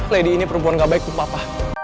lady ini perempuan gak baik untuk papa